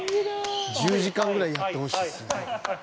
「１０時間ぐらいやってほしいですね」